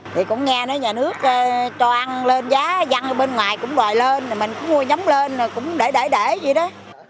thì cũng nghe nói nhà nước cho ăn lên giá dân bên ngoài cũng đòi lên mình cũng mua nhóm lên cũng để để để vậy đó